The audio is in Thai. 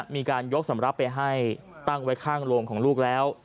มีการยกสำหรับไปให้ตั้งไว้ข้างโรงของลูกแล้ว